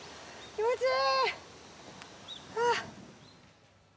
気持ちいい！